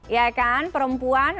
ya kan perempuan